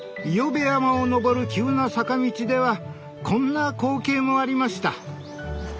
伊与部山を登る急な坂道ではこんな光景もありました。